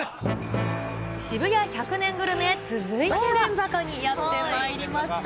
渋谷１００年グルメ、続いて道玄坂にやってまいりました。